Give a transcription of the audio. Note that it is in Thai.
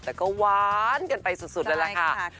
แต่ก็หวานกันไปสุดแล้วล่ะค่ะ